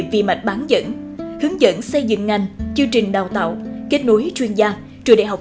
vi mạch bán dẫn hướng dẫn xây dựng ngành chương trình đào tạo kết nối chuyên gia trường đại học